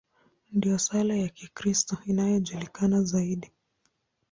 Ndiyo sala ya Kikristo inayojulikana zaidi.